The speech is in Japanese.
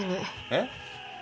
えっ？